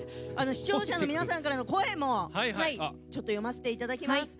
視聴者の皆さんの声も読ませていただきます。